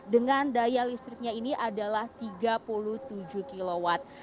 dengan daya listriknya ini adalah tiga puluh tujuh kilowatt